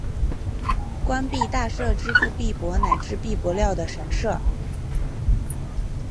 官币大社支付币帛乃至币帛料的神社。